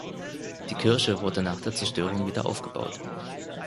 Die Kirche wurde nach der Zerstörung wieder aufgebaut.